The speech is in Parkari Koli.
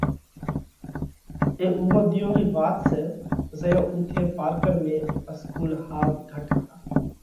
اي اُوئون ۮِيئون رئِي وات سئہ زئيون اُوٿئہ پارڪر ۾ اسڪُول ۿاوَ گھٽ هتا۔